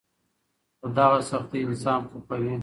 خو دغه سختۍ انسان پوخوي.